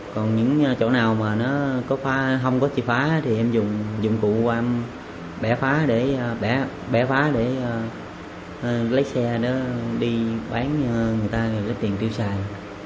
còn những chỗ nào mà nó không có chỉ phá thì em dùng dụng cụ em bẻ phá để lấy xe đó đi bán người ta lấy tiền tiêu xài